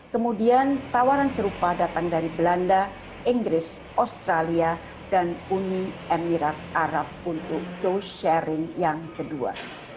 kemudian tawaran serupa datang dari belanda inggris australia dan uni emirat arab untuk dose sharing yang kedua